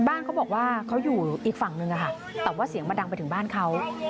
เขาบอกว่าเขาอยู่อีกฝั่งนึงค่ะแต่ว่าเสียงมันดังไปถึงบ้านเขา